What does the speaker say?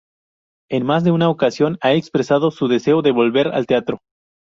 En más de una ocasión ha expresado su deseo de volver al teatro.